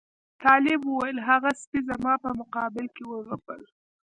طالب وویل هغه سپي زما په مقابل کې وغپل.